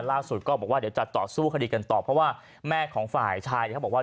ล่าสุดก็บอกว่าเดี๋ยวจะต่อสู้คดีกันต่อเพราะว่าแม่ของฝ่ายชายเนี่ยเขาบอกว่า